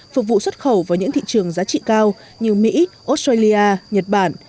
phục vụ xuất khẩu vào những thị trường giá trị cao như mỹ australia nhật bản